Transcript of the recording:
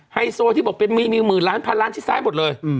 ไฮโซที่บอกมี๑๐๐๐๐๐๐๐ชิดซ้ายหมดเลย